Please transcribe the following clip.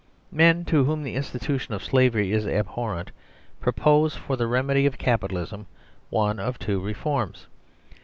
Men to whom the institution of slavery is abhor rent propose for the remedy of Capitalism one of two reforms.